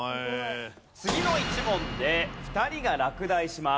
次の１問で２人が落第します。